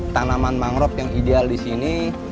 tanaman mangrove yang ideal disini